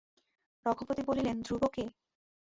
রঘপতি বলিলেন, ধ্রুব কে?